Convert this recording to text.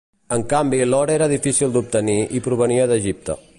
En canvi l'or era difícil d'obtenir i provenia d'Egipte.